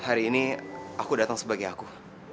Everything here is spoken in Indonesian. hari ini aku datang sebagai aku